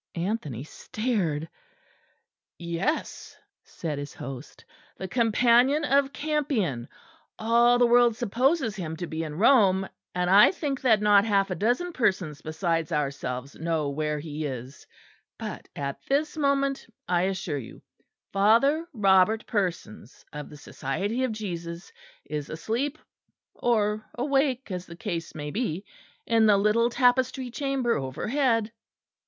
Anthony stared. "Yes," said his host, "the companion of Campion. All the world supposes him to be in Rome; and I think that not half a dozen persons besides ourselves know where he is; but at this moment, I assure you, Father Robert Persons, of the Society of Jesus, is asleep (or awake, as the case may be) in the little tapestry chamber overhead."